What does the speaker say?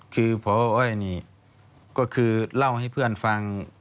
คือพออ้อยนี่ก็คือเล่าให้เพื่อนฟัง